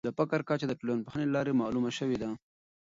د فقر کچه د ټولنپوهني له لارې معلومه سوې ده.